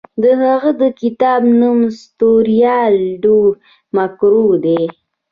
د هغه د کتاب نوم ستوریا ډو مګور دی.